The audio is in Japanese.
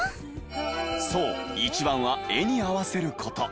そう一番は画に合わせる事。